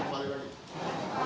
penting anda semua kan